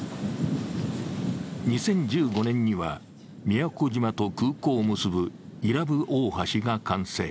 ２０１５年には宮古島と空港を結ぶ伊良部大橋が完成。